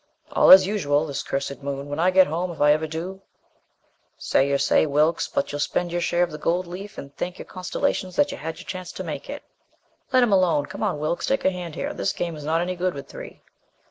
"All as usual. This cursed Moon! When I get home if I ever do " "Say your say, Wilks. But you'll spend your share of the gold leaf and thank your constellations that you had your chance to make it." "Let him alone! Come on, Wilks, take a hand here. This game is not any good with three."